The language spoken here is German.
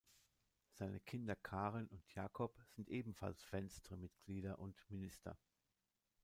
Seine Kinder Karen und Jakob sind ebenfalls Venstre-Mitglieder und Minister.